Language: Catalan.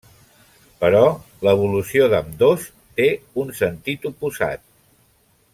Però l'evolució d'ambdós té un sentit oposat.